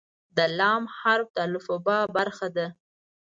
د "ل" حرف د الفبا برخه ده.